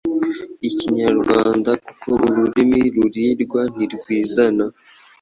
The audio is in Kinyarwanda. Ikinyarwanda kuko ururimi rurigwa, ntirwizana’’.